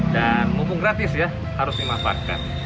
dan mumpung gratis ya harus dimanfaatkan